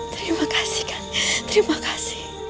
terima kasih kan terima kasih